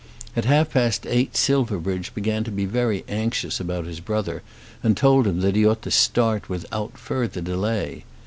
At half past eight Silverbridge began to be very anxious about his brother, and told him that he ought to start without further delay.